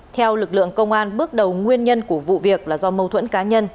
theo lực lượng công an bước đầu nguyên nhân của vụ việc là do mâu thuẫn cá nhân